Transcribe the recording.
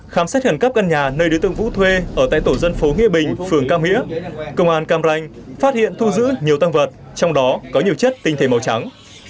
khám xét khẩn cấp căn nhà nơi đối tượng vũ thuê ở tại tổ dân phố nghĩa bình phường cam hĩa công an cam ranh phát hiện thu giữ nhiều tăng vật trong đó có nhiều chất tinh thể màu trắng